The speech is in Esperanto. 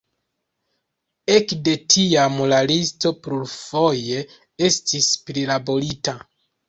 Ekde tiam la listo plurfoje estis prilaborita.